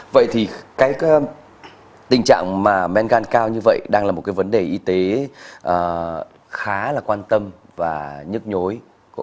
vậy thì cái tình trạng mà men gan cao như vậy đang là một cái vấn đề y tế khá là quan tâm và nhức nhối